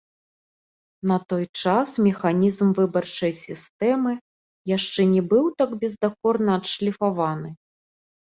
На той час механізм выбарчай сістэмы яшчэ не быў так бездакорна адшліфаваны.